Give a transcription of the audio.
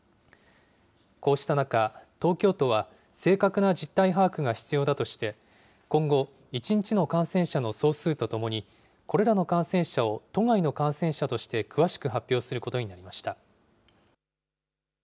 こうした中、東京都は正確な実態把握が必要だとして、今後、１日の感染者の総数とともに、これらの感染者を都外の感染者として詳しく発表することになりました。